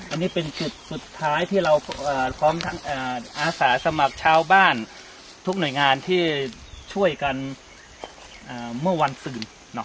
อันนี้เป็นจุดสุดท้ายที่เราพร้อมทั้งอาสาสมัครชาวบ้านทุกหน่วยงานที่ช่วยกันเมื่อวันตื่น